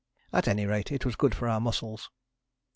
At any rate it was good for our muscles.